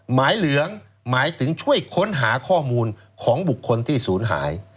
หมายเหลืองหมายถึงช่วยค้นหาข้อมูลของบุคคลที่ศูนย์หาย